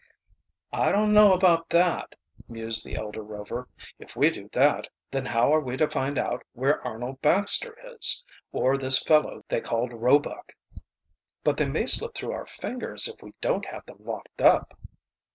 "I don't know about that," mused the elder Rover. "If we do that then how are we to find out where Arnold Baxter is, or this fellow they called Roebuck?" "But they may slip through our fingers if we don't have them locked up."